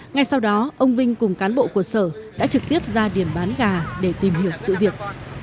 ngay sau đó ông vinh cùng cán bộ của sở đã trực tiếp ra điểm bán gà để tìm hiểu sự việc